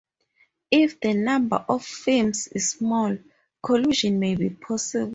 If the number of firms is small, collusion may be possible.